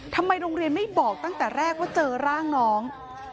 ทำไมโรงเรียนไม่บอกตั้งแต่แรกว่าเจอร่างน้อง